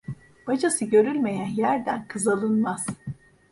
Bacası görülmeyen yerden kız alınmaz.